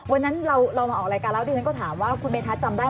วันนั้นเรามาออกรายการแล้วดิฉันก็ถามว่าคุณเมธัศนจำได้